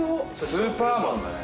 スーパーマンだね。